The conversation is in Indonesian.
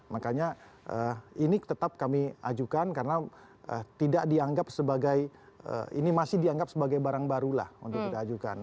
makanya ini tetap kami ajukan karena tidak dianggap sebagai ini masih dianggap sebagai barang baru lah untuk kita ajukan